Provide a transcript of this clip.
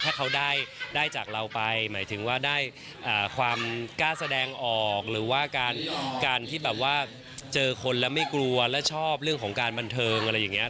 ถ้าเขาได้จากเราไปหมายถึงว่าได้ความกล้าแสดงออกหรือว่าการที่แบบว่าเจอคนแล้วไม่กลัวและชอบเรื่องของการบันเทิงอะไรอย่างนี้